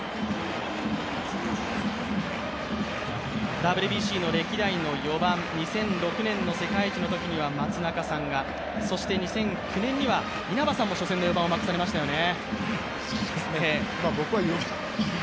ＷＢＣの歴代の４番、２００６年の世界一のときには松中さんが２００９年には稲葉さんも初戦の４番を任されましたね。